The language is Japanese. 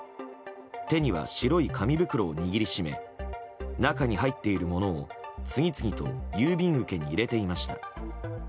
手には白い紙袋を握りしめ中に入っているものを次々と郵便受けに入れていました。